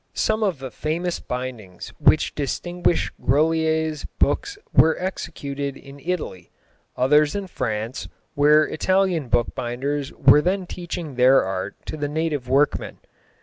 Some of the famous bindings which distinguish Grolier's books were executed in Italy, others in France, where Italian bookbinders were then teaching their art to the native workmen.